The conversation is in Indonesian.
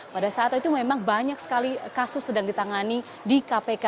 pada saat itu memang banyak sekali kasus sedang ditangani di kpk